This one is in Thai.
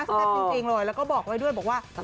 จริงเลยแล้วก็บอกไว้ด้วยบอกว่า